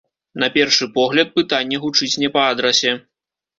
На першы погляд, пытанне гучыць не па адрасе.